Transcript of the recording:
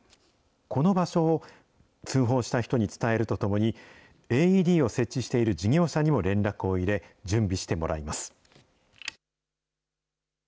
この場所を、通報した人に伝えるとともに、ＡＥＤを設置している事業者にも連絡を入れ、準備してもらいます。